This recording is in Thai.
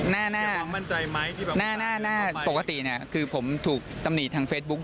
ถ้าในในหน้าพกติผมถูกตำหนิทางเฟซบุ๊ค